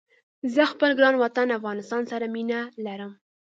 زه خپل ګران وطن افغانستان سره مينه ارم